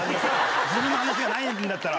自分の話がないんだったら。